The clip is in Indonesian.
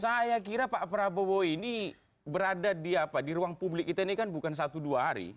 saya kira pak prabowo ini berada di ruang publik kita ini kan bukan satu dua hari